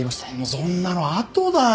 そんなの後だよ！